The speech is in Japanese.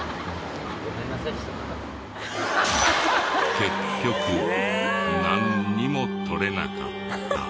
結局なんにも撮れなかった。